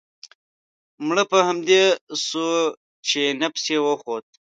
مړ په همدې سو چې نفس يې و خوت.